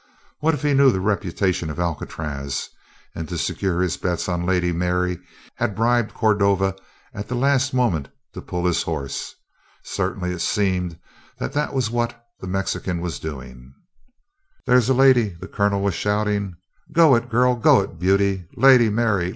What if he knew the reputation of Alcatraz and to secure his bets on Lady Mary, had bribed Cordova at the last moment to pull his horse. Certainly it seemed that was what the Mexican was doing. "There's a lady," the colonel was shouting. "Go it, girl. Go it, beauty. Lady Mary!